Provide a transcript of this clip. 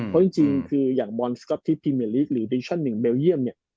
เพราะจริงคืออย่างบอลสก๊อตทิพรีเมอร์ลีกหรือดิชั่นหนึ่งเบลเยี่ยมเนี่ย